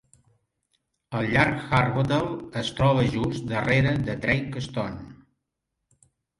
El llac Harbottle es troba just darrera de Drake Stone.